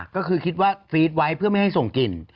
ก็คือคิดว่าฟีดไว้เพื่อไม่ให้ส่งกลิ่น